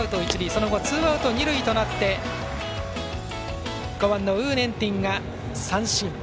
その後ツーアウト、二塁となって５番の呉念庭が三振。